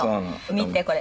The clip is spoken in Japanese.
見てこれ。